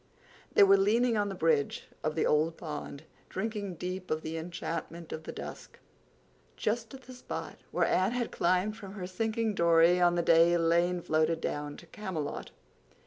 They were leaning on the bridge of the old pond, drinking deep of the enchantment of the dusk, just at the spot where Anne had climbed from her sinking Dory on the day Elaine floated down to Camelot.